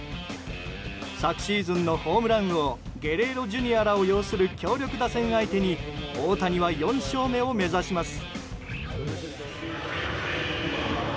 昨シーズンのホームラン王ゲレーロＪｒ．らを擁する強力打線相手に大谷は４勝目を目指します。